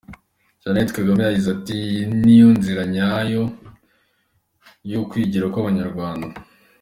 Jeannette Kagame yagize ati “Iyi niyo nzira nyayo y’ukwigira kw’Abanyarwanda.